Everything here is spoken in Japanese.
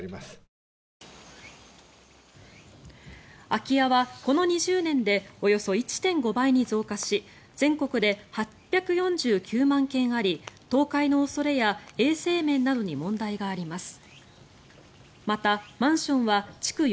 空き家はこの２０年でおよそ１．５倍に増加し全国で８４９万軒あり倒壊の恐れや衛生面などに問題があります。